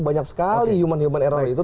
banyak sekali human human error itu